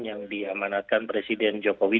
yang diamanatkan presiden jokowi